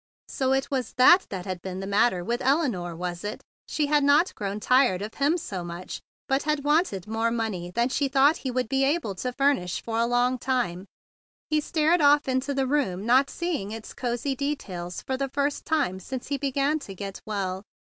So it was that that had been the mat¬ ter with Elinore, was it? She had not grown tired of him so much, but had wanted more money than she thought he would be able to furnish for a long time? He stared off into the room not seeing its cozy details for the first time since he began to get well.